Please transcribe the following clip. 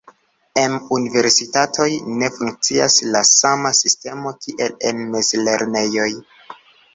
Em universitatoj ne funkcias la sama sistemo kiel en mezlernejoj.